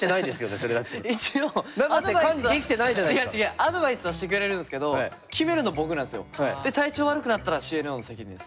アドバイスはしてくれるんですけどで体調悪くなったらＣＮＯの責任です。